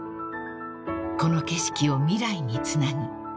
［この景色を未来につなぐ］